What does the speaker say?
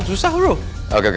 suka atau nggak suka